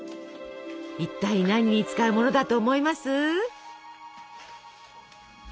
いったい何に使うものだと思います？